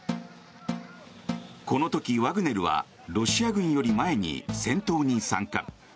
この時、ワグネルはロシア軍より前に戦闘に参加。